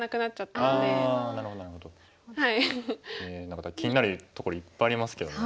何か気になるところいっぱいありますけど。